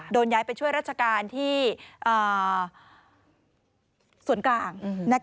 โดนย้ายไปช่วยราชการที่ส่วนกลาง